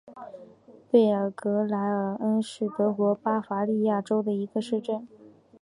贝尔格莱尔恩是德国巴伐利亚州的一个市镇。